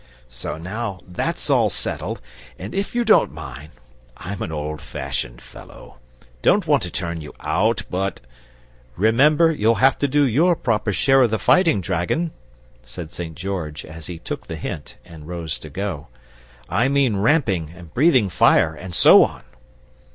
So now that's all settled, and if you don't mind I'm an old fashioned fellow don't want to turn you out, but " "Remember, you'll have to do your proper share of the fighting, dragon!" said St. George, as he took the hint and rose to go; "I mean ramping, and breathing fire, and so on!"